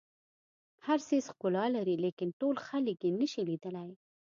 هر څیز ښکلا لري لیکن ټول خلک یې نه شي لیدلی.